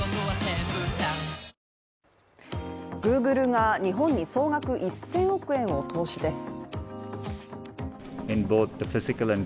Ｇｏｏｇｌｅが日本に総額１０００億円を投資です。